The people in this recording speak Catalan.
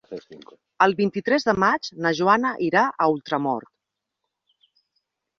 El vint-i-tres de maig na Joana irà a Ultramort.